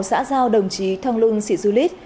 xã giao đồng chí thong luân sĩ du lít